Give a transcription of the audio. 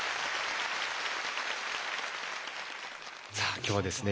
さあ今日はですね